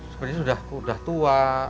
sepertinya sudah tua